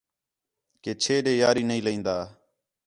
کہ چھے ݙے یاری نہیں لائین٘دا